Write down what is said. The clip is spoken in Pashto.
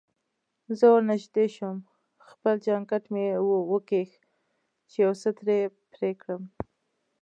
زه ورنژدې شوم، خپل جانکټ مې وکیښ چې یو څه ترې پرې کړم.